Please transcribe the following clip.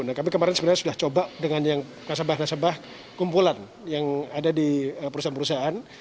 nah kami kemarin sebenarnya sudah coba dengan yang nasabah nasabah kumpulan yang ada di perusahaan perusahaan